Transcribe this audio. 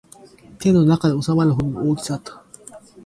手の中に収まるほどの大きさだった